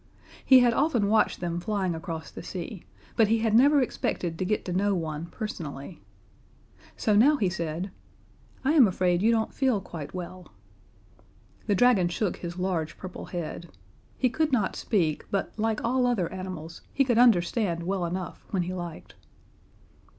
He had often watched them flying across the sea, but he had never expected to get to know one personally. So now he said: "I am afraid you don't feel quite well." The dragon shook his large purple head. He could not speak, but like all other animals, he could understand well enough when he liked.